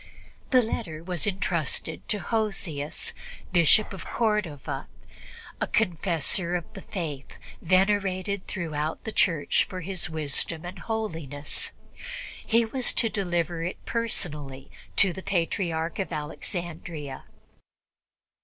The letter was entrusted to Hosius, Bishop of Cordova, a confessor of the Faith, venerated throughout the Church for his wisdom and holiness. He was to deliver it personally to the Patriarch of Alexandria.